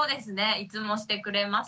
いつもしてくれます。